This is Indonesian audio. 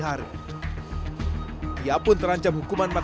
tapi gidang they mereka juga banyak